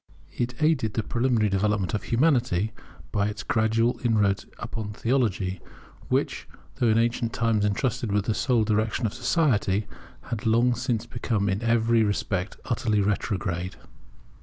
It aided the preliminary development of Humanity by its gradual inroads upon Theology, which, though in ancient times entrusted with the sole direction of society, had long since become in every respect utterly retrograde.